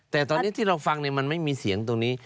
แต่ตอนนี้ที่เราฟังมันไม่มีเสียงตรงนี้